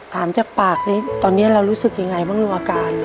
ถามจากปากสิตอนนี้เรารู้สึกยังไงบ้างลูกอาการ